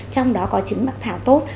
trong đó có trứng bắc thảo tốt